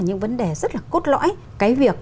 những vấn đề rất là cốt lõi cái việc